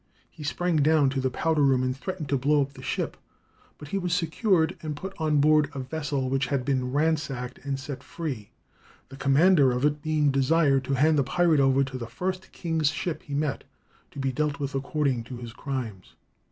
He sprang down to the powder room and threatened to blow up the ship, but he was secured, and put on board a vessel which had been ransacked and set free, the commander of it being desired to hand the pirate over to the first king's ship he met, to be dealt with according to his crimes.